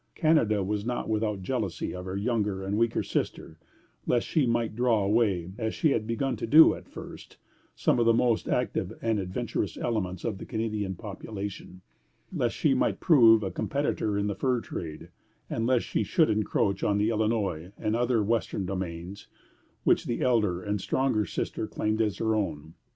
Canada was not without jealousy of her younger and weaker sister, lest she might draw away, as she had begun to do at the first, some of the most active and adventurous elements of the Canadian population; lest she might prove a competitor in the fur trade; and lest she should encroach on the Illinois and other western domains, which the elder and stronger sister claimed as her own.